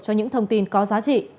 cho những thông tin có giá trị